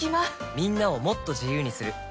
みんなをもっと自由にする「三菱冷蔵庫」